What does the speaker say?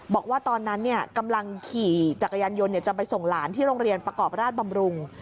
บอกว่าตอนนั้นกำลังขี่จักรยานยนต์จะไปส่งหลานที่โรงเรียนประกอบราชบำรุง